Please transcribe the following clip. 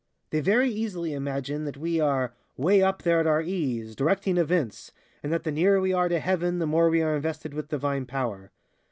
They very easily imagine that we are 'way up there at our ease, directing events, and that the nearer we are to heaven the more we are invested with Divine Power.